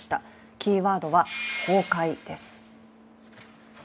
キーワードは「崩壊」です。